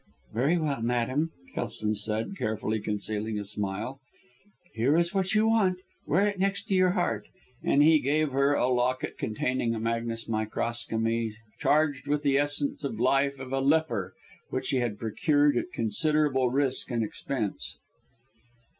"Very well, madam," Kelson said, carefully concealing a smile, "here is what you want wear it next your heart;" and he gave her a locket, containing a magnes microcosmi charged with the essence of life of a leper, which he had procured at considerable risk and expense.